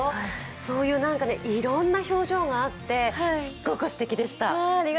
そういういろんな表情があってすっごくすてきでした。